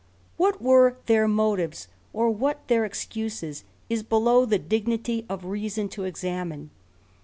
What were their motives, or what their excuses, is below the dignity of reason to examine.